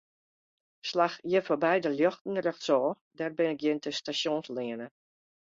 Slach hjir foarby de ljochten rjochtsôf, dêr begjint de Stasjonsleane.